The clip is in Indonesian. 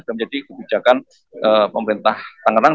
sudah menjadi kebijakan pemerintah tangerang